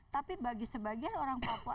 tapi bagi sebagian orang papua